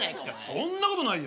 そんなことないよ。